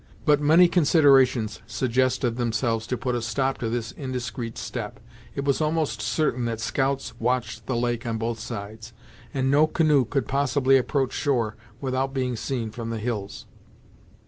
But many considerations suggested themselves to put a stop to this indiscreet step. It was almost certain that scouts watched the lake on both sides, and no canoe could possibly approach shore without being seen from the hills.